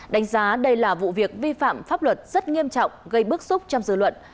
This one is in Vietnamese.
đánh giá đây là vụ việc vi phạm pháp luật rất nghiêm trọng gây bức xúc trong dư luận